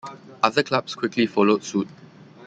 Other clubs quickly followed suit.